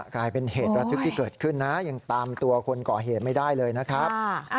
กลายเป็นเหตุระทึกที่เกิดขึ้นนะยังตามตัวคนก่อเหตุไม่ได้เลยนะครับ